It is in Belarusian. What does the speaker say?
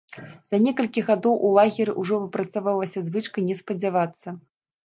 За некалькі гадоў у лагеры ўжо выпрацавалася звычка не спадзявацца.